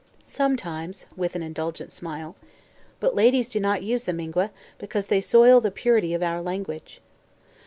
"Sometimes," with an indulgent smile. "But ladies do not use them, Ingua, because they soil the purity of our language."